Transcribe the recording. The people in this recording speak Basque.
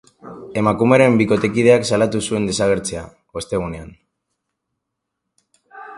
Emakumearen bikotekideak salatu zuen desagertzea, ostegunean.